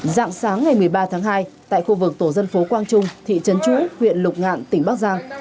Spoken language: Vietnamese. dạng sáng ngày một mươi ba tháng hai tại khu vực tổ dân phố quang trung thị trấn chú huyện lục ngạn tỉnh bắc giang